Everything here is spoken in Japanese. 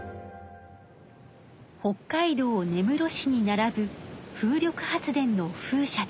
北海道根室市にならぶ風力発電の風車です。